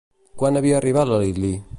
Quan havia arribat la Lilí?